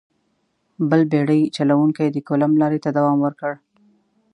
بل بېړۍ چلوونکي د کولمب لارې ته دوام ورکړ.